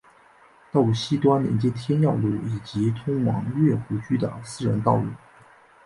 道路西端连接天耀路以及通往乐湖居的私人道路。